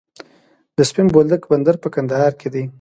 د سپین بولدک بندر په کندهار کې دی